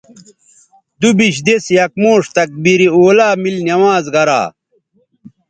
دوبیش دِس یک موݜ تکبیر اولیٰ میل نماز گرا